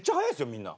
みんな。